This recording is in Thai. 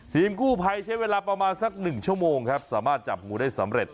ทีมกู้ภัยใช้เวลาประมาณสัก๑ชั่วโมงครับสามารถจับงูได้สำเร็จ